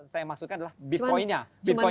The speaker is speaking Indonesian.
saya maksudkan adalah bitcoin nya cuman